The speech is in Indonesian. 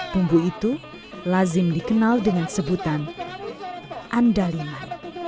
bumbu itu lazim dikenal dengan sebutan andaliman